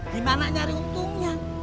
gimana nyari untungnya